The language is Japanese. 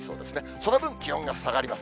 その分、気温が下がります。